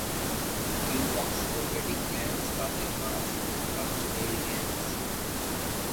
وکیل boxer wedding planner قاتل خاتون کا چڑیلز گینگ